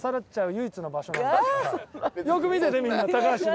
よく見ててみんな高橋を。